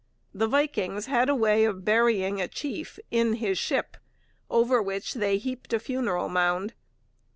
The Vikings had a way of burying a chief in his ship, over which they heaped a funeral mound.